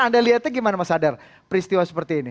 anda lihatnya gimana mas hadar peristiwa seperti ini